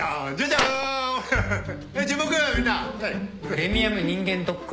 「プレミアム人間ドック」？